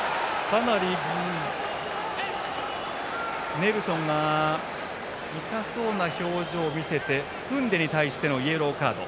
かなりネルソンが痛そうな表情を見せてクンデに対してのイエローカード。